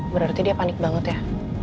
berarti dia panik banget ya